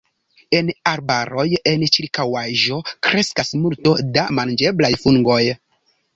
En arbaroj en ĉirkaŭaĵo kreskas multo da manĝeblaj fungoj.